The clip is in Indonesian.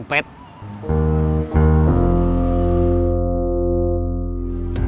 pagi pagi sudah dapat dua dompet